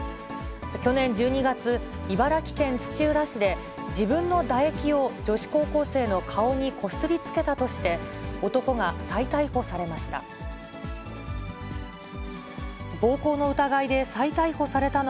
去年１２月、茨城県土浦市で、自分の唾液を女子高校生の顔にこすりつけたとして、男が再逮捕されました。